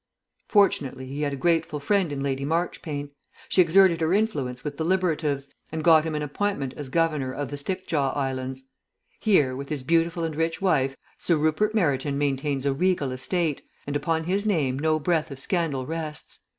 Fortunately he had a grateful friend in Lady Marchpane. She exerted her influence with the Liberatives, and got him an appointment as Governor of the Stickjaw Islands. Here, with his beautiful and rich wife, Sir Rupert Meryton maintains a regal state, and upon his name no breath of scandal rests.